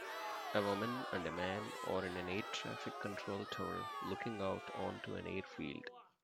A woman and a man are in an airtraffic control tower looking out onto an airfield.